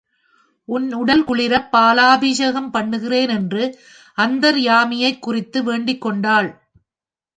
உன் உடல் குளிரப் பாலாபிஷேகம் பண்ணுகிறேன் என்று அந்தர்யாமியைக் குறித்து வேண்டிக் கொண்டாள்.